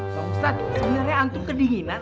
pak ustadz sebenarnya antuh kedinginan